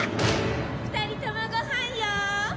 ２人ともご飯よ！